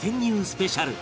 スペシャル